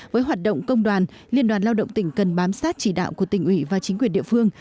với hoạt động công đoàn liên đoàn lao động tỉnh cần bám sát chỉ đạo của tỉnh ủy và chính quyền địa phương